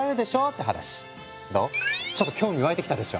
ちょっと興味湧いてきたでしょ。